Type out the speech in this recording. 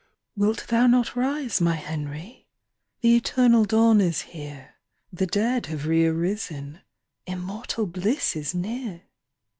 "Wilt thou not rise, my Henry? The eternal dawn is here; The dead have re arisen, Immortal bliss is near."